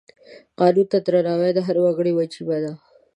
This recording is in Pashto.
قانون ته درناوی د هر وګړي وجیبه ده.